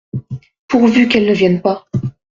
Pourvu qu’elles ne viennent pas !